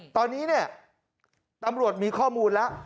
ตอนนี้เนี่ยตำรวจมีข้อมูลแล้ว